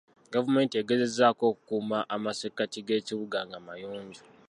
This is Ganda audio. Gavumenti egezaako okukuuma amasekkati g'ekibuga nga mayonjo.